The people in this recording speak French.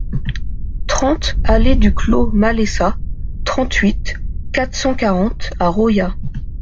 trente allée du Clos Maleissa, trente-huit, quatre cent quarante à Royas